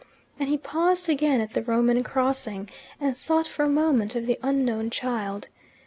And he paused again at the Roman crossing, and thought for a moment of the unknown child.